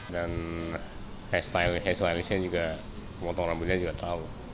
dan hairstylistnya juga pemotong rambutnya juga tau